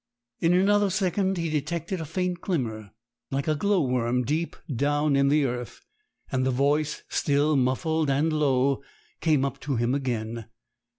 In another second he detected a faint glimmer, like a glow worm deep down in the earth, and the voice, still muffled and low, came up to him again.